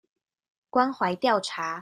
關懷調查